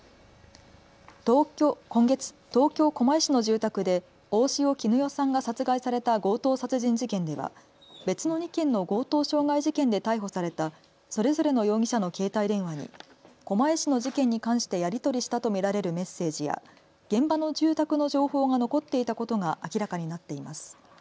今月、東京狛江市の住宅で大塩衣與さんが殺害された強盗殺人事件では別の２件の強盗傷害事件で逮捕されたそれぞれの容疑者の携帯電話に狛江市の事件に関してやり取りしたと見られるメッセージや現場の住宅の情報が残っていたことが明らかになっています。